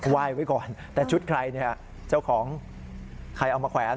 ไหว้ไว้ก่อนแต่ชุดใครเนี่ยเจ้าของใครเอามาแขวน